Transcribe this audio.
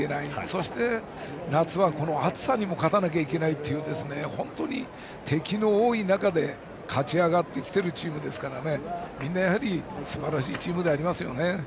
そして夏はこの暑さにも勝たなきゃいけないという敵の多い中で勝ち上がってきているチームですからみんな、すばらしいチームでありますよね。